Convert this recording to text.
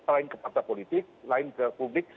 selain ke partai politik lain ke publik